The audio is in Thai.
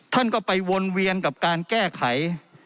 ท่านก็ไปวนเวียนกับการแก้ไข